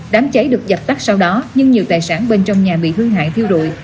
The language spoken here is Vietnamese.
đám cháy được dập tắt sau đó nhưng nhiều tài sản bên trong nhà bị hư hại thiêu rụi